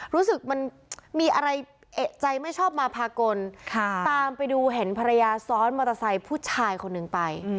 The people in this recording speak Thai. รู้สึกมันมีอะไรเอกใจไม่ชอบมาพากลตามไปดูเห็นภรรยาซ้อนมอเตอร์ไซค์ผู้ชายคนหนึ่งไป